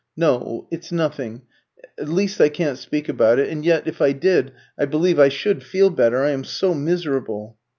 "No, it's nothing. At least I can't speak about it. And yet if I did, I believe I should feel better. I am so miserable."